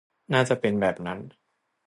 น่าจะเป็นแบบนั้น